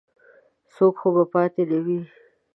څوک خو به پاتې نه وي.